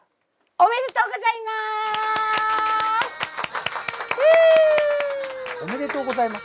おめでとうございます？